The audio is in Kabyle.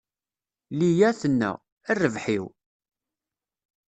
Liya tenna: A rrbeḥ-iw!